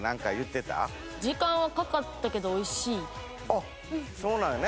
あっそうなんやね。